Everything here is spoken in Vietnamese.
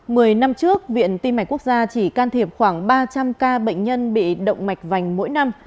mười năm trước viện tim mạch quốc gia chỉ can thiệp khoảng ba trăm linh ca bệnh nhân bị động mạch vành mỗi năm